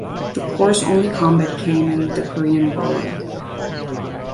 The corps' only combat came in the Korean War.